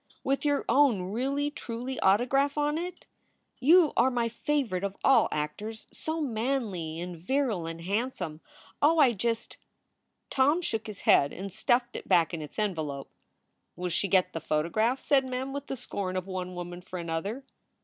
With your own really truly autograph on it? You are my favorite of all actors so manly and virrile and handsome. Oh, I just" Tom shook his head and stuffed it back in its envelope. "Will she get the photograph?" said Mem, with the scorn of one woman for another.